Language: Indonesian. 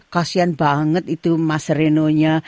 kasian banget itu mas renonya